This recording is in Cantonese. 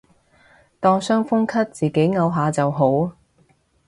當傷風咳自己漚下就好